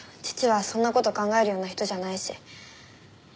父はそんな事考えるような人じゃないし。